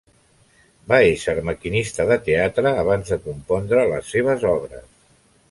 Va ésser maquinista de teatre abans de compondre les seves obres.